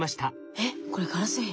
えっこれガラス片？